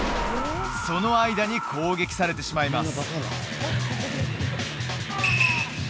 その間に攻撃されてしまいます